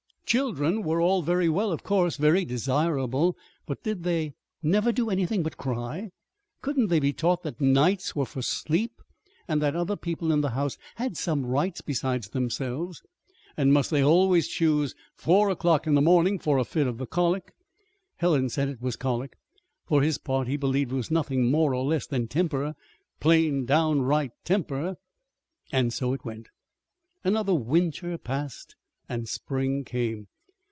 Children were all very well, of course, very desirable. But did they never do anything but cry? Couldn't they be taught that nights were for sleep, and that other people in the house had some rights besides themselves? And must they always choose four o'clock in the morning for a fit of the colic? Helen said it was colic. For his part, he believed it was nothing more or less than temper plain, right down temper! And so it went. Another winter passed, and spring came.